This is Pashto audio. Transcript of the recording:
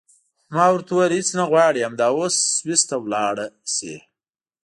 ما ورته وویل هېڅ نه غواړې همدا اوس سویس ته ولاړه شې.